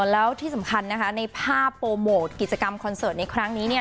แล้วที่สำคัญในภาพโปรโมทกิจกรรมในครั้งนี้